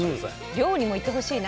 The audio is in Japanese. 漁にも行ってほしいな。